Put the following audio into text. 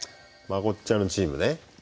まこっちゃんのチームね。